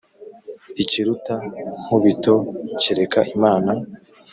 Ikiruta Nkubito kereka Imana